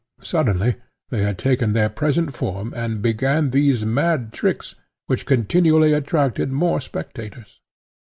On a sudden they had taken their present form and began these mad tricks, which continually attracted more spectators.